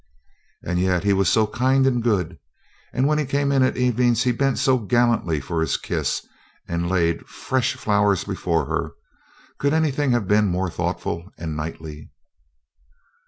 And yet he was so kind and good, and when he came in at evening he bent so gallantly for his kiss, and laid fresh flowers before her: could anything have been more thoughtful and knightly?